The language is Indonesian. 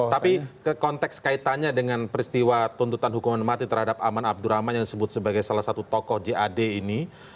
tapi konteks kaitannya dengan peristiwa tuntutan hukuman mati terhadap aman abdurrahman yang disebut sebagai salah satu tokoh jad ini